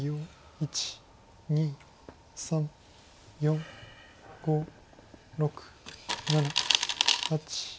１２３４５６７８。